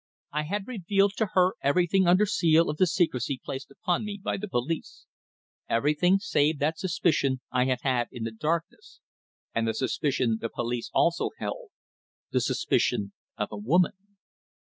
I had revealed to her everything under seal of the secrecy placed upon me by the police everything save that suspicion I had had in the darkness, and the suspicion the police also held the suspicion of a woman.